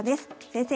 先生